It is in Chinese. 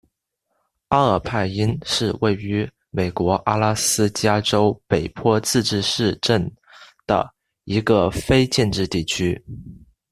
阿尔派因是位于美国阿拉斯加州北坡自治市镇的一个非建制地区。